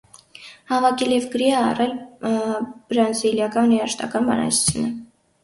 Հավաքել և գրի է առել բրազիլական երաժշտական բանահյուսությունը։